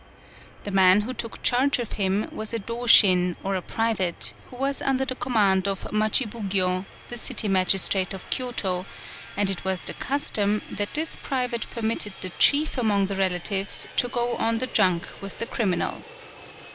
The man who took charge of him was a Doshin, or a private, who was under the command of Machibugyo, the city mag istrate of Kyoto, and it was the custom 3 PAULOWNIA that this private permitted the chief among the relatives to go on the junk with the criminal.